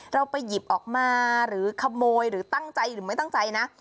เราไปหยิบออกมาหรือขโมยหรือตั้งใจหรือไม่ตั้งใจนะ